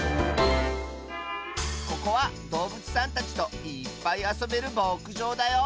ここはどうぶつさんたちといっぱいあそべるぼくじょうだよ。